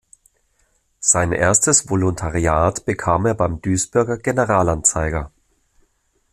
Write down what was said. Sein erstes Volontariat bekam er beim "Duisburger General-Anzeiger".